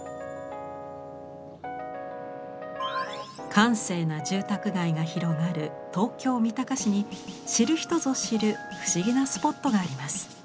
閑静な住宅街が広がる東京・三鷹市に知る人ぞ知る不思議なスポットがあります。